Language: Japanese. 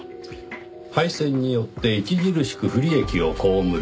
廃線によって著しく不利益を被る人物。